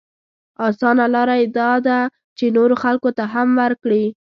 اسانه لاره يې دا ده چې نورو خلکو ته هم ورکړي.